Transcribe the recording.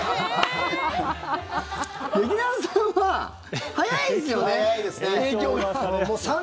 劇団さんは早いんですよね。